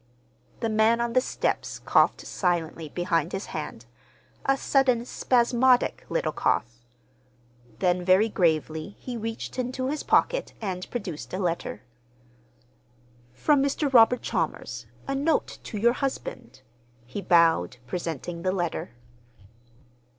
The man on the steps coughed slightly behind his hand—a sudden spasmodic little cough. Then very gravely he reached into his pocket and produced a letter. "From Mr. Robert Chalmers—a note to your husband," he bowed, presenting the letter.